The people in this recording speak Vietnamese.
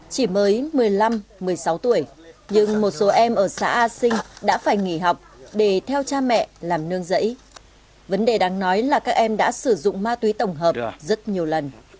chỉ mới một mươi năm một mươi sáu tuổi nhưng một số em ở xã a sinh đã phải nghỉ học để theo cha mẹ làm nương giấy vấn đề đáng nói là các em đã sử dụng ma túy tổng hợp rất nhiều lần